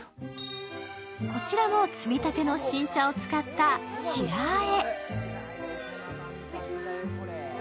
こちらも摘みたての新茶を使った白あえ。